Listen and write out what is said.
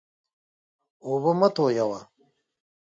اوبه مه تویوه.